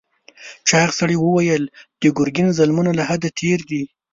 چاغ سړي وویل د ګرګین ظلمونه له حده تېر دي.